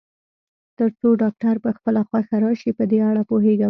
تر څو ډاکټر په خپله خوښه راشي، په دې اړه پوهېږم.